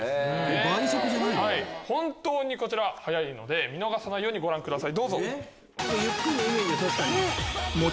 本当にこちら速いので見逃さないようにご覧ください。